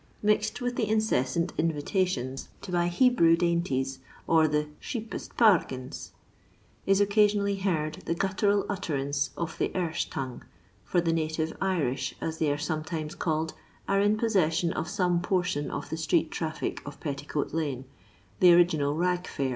Mixed with the incessant invitations to buy Hebrew LONDON LABOUR AND THE LONDON POOR. n dainties, or the " sheepeit pargaina/' ii occaiion allj heard the guttural utterance of the Ene tongue, for the native Irish," aa they are gome times called, are in possession of some portion of the street traffio of Petticoat lane, the original Rag Fair.